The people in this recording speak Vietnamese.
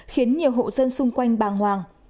khiến nhiều hộ dân xung quanh bàng hoàng